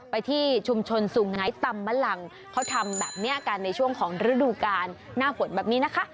ไปที่ชุมชนสูงไงตำมะลังเขาทำแบบนี้กันในช่วงของฤดูกาลหน้าฝนแบบนี้นะคะ